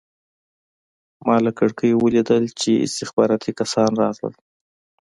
ما له کړکۍ ولیدل چې استخباراتي کسان راغلل